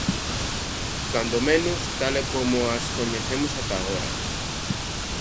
Cando menos, tal e como as coñecemos ata agora.